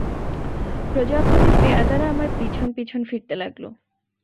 প্রজাপতির পেয়াদারা আমার পিছন পিছন ফিরতে লাগল।